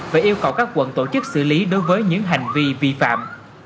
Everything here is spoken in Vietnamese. và yêu cầu các quận tổ chức xử lý đối với những hành vi vi phạm